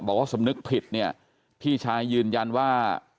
บอกว่าสำนึกผิดเนี่ยพี่ชายยืนยันว่า